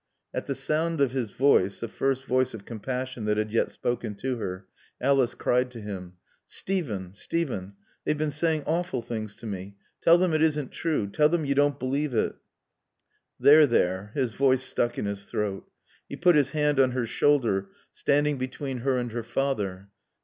At the sound of his voice, the first voice of compassion that had yet spoken to her, Alice cried to him. "Steven! Steven! They've been saying awful things to me. Tell them it isn't true. Tell them you don't believe it." "There there " His voice stuck in his throat. He put his hand on her shoulder, standing between her and her father.